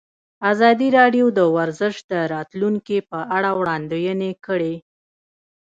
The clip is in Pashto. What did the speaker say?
ازادي راډیو د ورزش د راتلونکې په اړه وړاندوینې کړې.